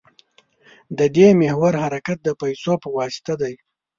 د دې محور حرکت د پیسو په واسطه دی.